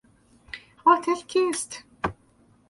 قاتل کیست؟